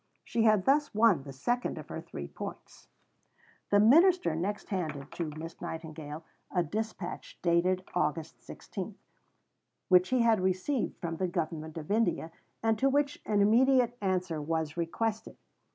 She had thus won the second of her Three Points. The minister next handed to Miss Nightingale a dispatch dated August 16, which he had received from the Government of India, and to which an immediate answer was requested.